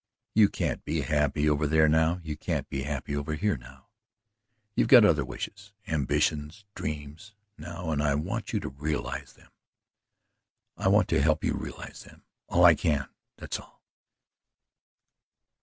"You can't be happy over there now you can't be happy over here now. You've got other wishes, ambitions, dreams, now, and I want you to realize them, and I want to help you to realize them all I can that's all."